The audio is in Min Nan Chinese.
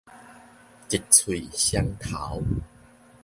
一喙雙頭